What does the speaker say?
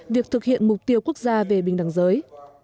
việc thực hiện mục tiêu quốc gia về bình đẳng giới